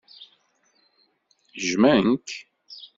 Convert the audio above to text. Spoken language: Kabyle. Jjmen-k.